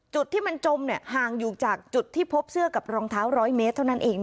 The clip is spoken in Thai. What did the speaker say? จุดที่มันจมห่างอยู่จากจุดที่พบเสื้อกับรองเท้า๑๐๐เมตรเท่านั้นเอง